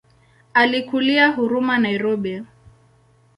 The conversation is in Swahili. Alikulia Huruma Nairobi.